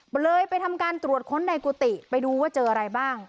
ก็เลยไปทำการตรวจค้นในกุฏิไปดูว่าเจออะไรบ้าง